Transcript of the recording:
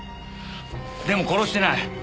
でも殺してない。